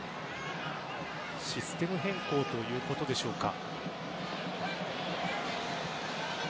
システム変更ということでしょうか。